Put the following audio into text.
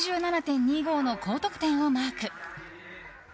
８７．２５の高得点をマーク。